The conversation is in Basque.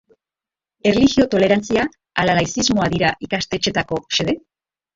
Erlijio tolerantzia ala laizismoa dira ikastetxeetako xede?